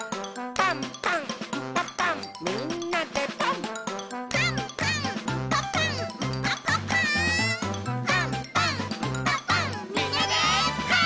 「パンパンんパパンみんなでパン！」